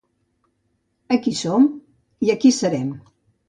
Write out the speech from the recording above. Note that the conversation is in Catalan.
Aquí som i aquí serem.